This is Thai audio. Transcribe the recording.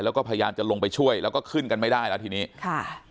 แล้วก็พยายามจะลงไปช่วยแล้วก็ขึ้นกันไม่ได้แล้วทีนี้ค่ะ